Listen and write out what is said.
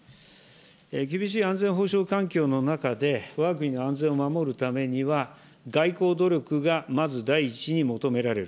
厳しい安全保障環境の中で、わが国の安全を守るためには、外交努力がまず第一に求められる。